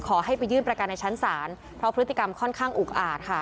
ขอให้ไปยื่นประกันในชั้นศาลเพราะพฤติกรรมค่อนข้างอุกอาจค่ะ